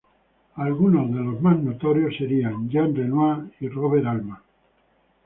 Serían algunos de los más notorios Jean Renoir y Robert Altman.